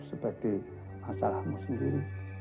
seperti masalahmu sendiri